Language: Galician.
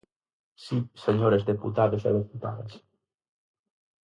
Si, señores deputados e deputadas.